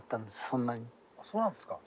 あそうなんですか？